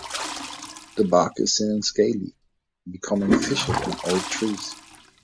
The bark is thin and scaly, becoming fissured in old trees.